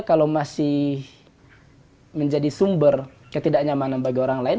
kalau masih menjadi sumber ketidaknyamanan bagi orang lain